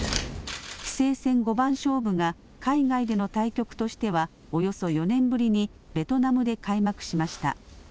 棋聖戦五番勝負は、海外での対局としてはおよそ４年ぶりにベトナムで開幕しました。